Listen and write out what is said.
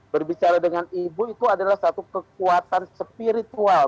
berbicara dengan ibu itu adalah satu kekuatan spiritual